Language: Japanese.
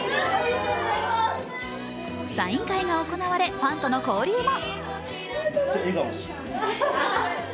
サイン会が行われファンとの交流も。